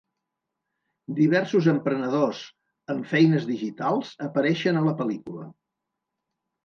Diversos emprenedors amb feines digitals apareixen a la pel·lícula.